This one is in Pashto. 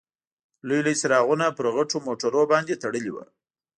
لوی لوی څراغونه پر غټو موټرونو باندې تړلي وو.